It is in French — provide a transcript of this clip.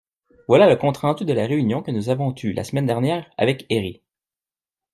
Voilà le compte-rendu de la réunion que nous avons eu la semaine dernière avec Herri.